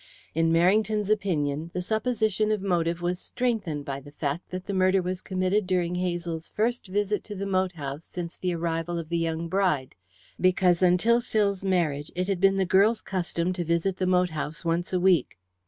In Merrington's opinion, the supposition of motive was strengthened by the fact that the murder was committed during Hazel's first visit to the moat house since the arrival of the young bride, because until Phil's marriage it had been the girl's custom to visit the moat house once a week.